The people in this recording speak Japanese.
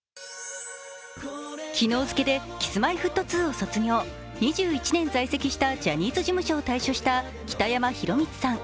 昨日付けでＫｉｓ−Ｍｙ−Ｆｔ２を卒業２１年在籍したジャニーズ事務所を退所した北山宏光さん。